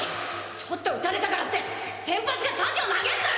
ちょっと打たれたからって先発がサジを投げるなよ！